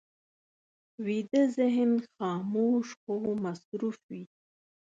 ویده ذهن خاموش خو مصروف وي